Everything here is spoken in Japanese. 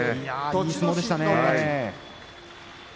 いい相撲でしたね。